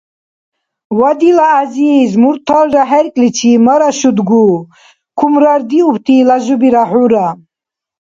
Ва дила гӀязиз, мурталра хӀеркӀличи марашудгу, кумрардиубти ляжубира хӀура.